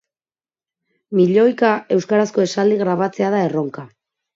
Milioika euskarazko esaldi grabatzea da erronka.